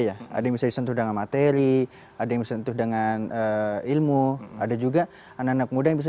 ya ada misalnya sentuh dengan materi ada yang sentuh dengan ilmu ada juga anak anak muda bisa